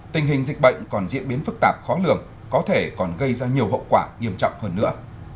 tình hình dịch bệnh còn diễn biến phức tạp khó lường có thể còn gây ra nhiều hậu quả nghiêm trọng hơn nữa